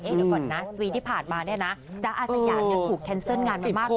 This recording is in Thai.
เดี๋ยวก่อนนะปีที่ผ่านมาเนี่ยนะจะอาศญาณยังถูกแคนเซิลงานมามากมาย